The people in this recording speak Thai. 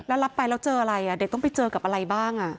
แล้วรับไปแล้วเจออะไรเด็กต้องไปเจอกับอะไรบ้าง